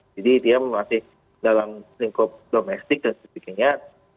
jadi dia masih dalam lingkup domestik dan sebagainya